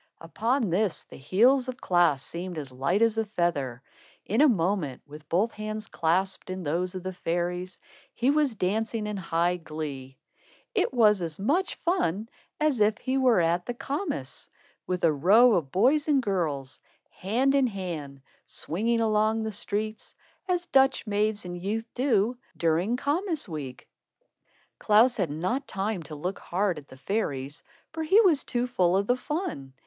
Upon this, the heels of Klaas seemed as light as a feather. In a moment, with both hands clasped in those of the fairies, he was dancing in high glee. It was as much fun as if he were at the kermiss, with a row of boys and girls, hand in hand, swinging along the streets, as Dutch maids and youth do, during kermiss week. Klaas had not time to look hard at the fairies, for he was too full of the fun.